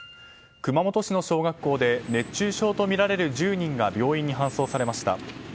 熊本市の小学校で熱中症とみられる１０人が病院に搬送されました。